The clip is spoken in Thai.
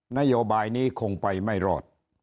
นโยบายนี้คงไปไม่รอด